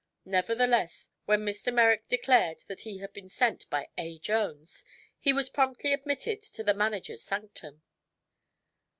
Nevertheless, when Mr. Merrick declared he had been sent by A. Jones, he was promptly admitted to the manager's sanctum.